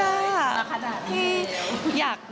มาขนาดนี้